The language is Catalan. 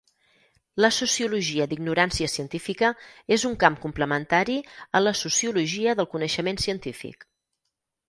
La sociologia d'ignorància científica és un camp complementari a la sociologia del coneixement científic.